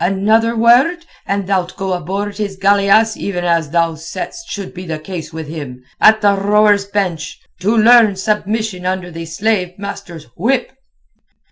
Another word and thou'lt go aboard his galeasse even as thou saidst should be the case with him—at the rowers' bench, to learn submission under the slave master's whip."